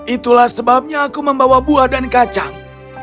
itulah sebabnya aku membawa buah dan kacang